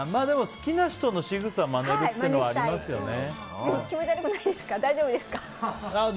好きな人のしぐさをまねるっていうのはありますよね。